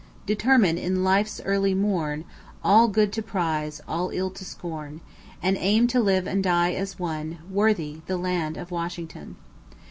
Determine in life's early morn All good to prize, all ill to scorn, And aim to live and die as one Worthy the land of Washington!